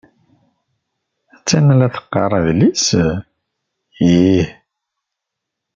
Attan la teqqar adlis? Ih.